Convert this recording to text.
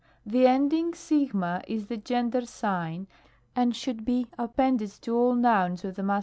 The ending 6 is the gender sign, and should be appended to all nouns of the Mas.